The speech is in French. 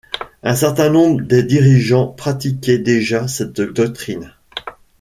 Un certain nombre des dirigeants pratiquaient déjà cette doctrine.